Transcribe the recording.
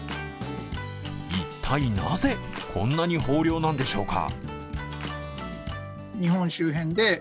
一体なぜこんなに豊漁なんでしょうか。